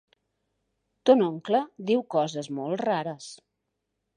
Ton oncle diu coses molt rares.